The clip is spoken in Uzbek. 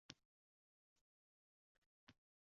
Niqoblarni yechib haqiqiy yuzingizni ko‘rsating.